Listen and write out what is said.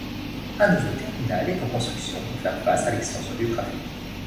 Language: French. Un nouveau terminal est en construction pour faire face à l’extension du trafic.